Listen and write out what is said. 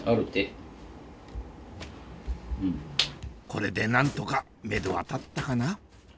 これで何とかめどは立ったかな？